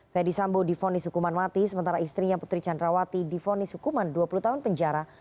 ferdi sambo difonis hukuman mati sementara istrinya putri candrawati difonis hukuman dua puluh tahun penjara